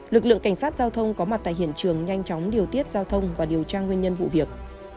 lực lượng cảnh sát giao thông có mặt tại hiện trường nhanh chóng điều tiết giao thông và điều tra nguyên nhân vụ việc